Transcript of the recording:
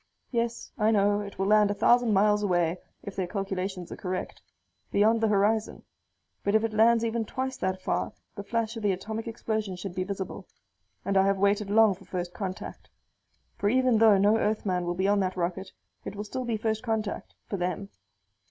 Yes, I know, it will land a thousand miles away, if their calculations are correct. Beyond the horizon. But if it lands even twice that far the flash of the atomic explosion should be visible. And I have waited long for first contact. For even though no Earthman will be on that rocket, it will still be first contact for them.